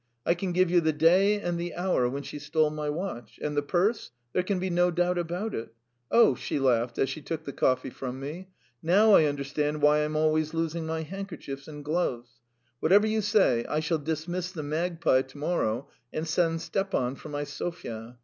I can give you the day and the hour when she stole my watch. And the purse? There can be no doubt about it. Oh!" she laughed as she took the coffee from me. "Now I understand why I am always losing my handkerchiefs and gloves. Whatever you say, I shall dismiss the magpie to morrow and send Stepan for my Sofya.